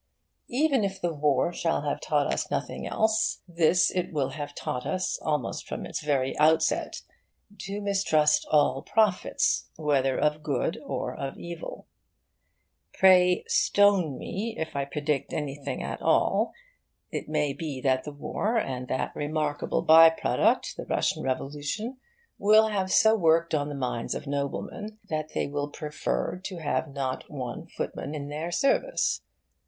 Even if the War shall have taught us nothing else, this it will have taught us almost from its very outset: to mistrust all prophets, whether of good or of evil. Pray stone me if I predict anything at all. It may be that the War, and that remarkable by product, the Russian Revolution, will have so worked on the minds of Noblemen that they will prefer to have not one footman in their service.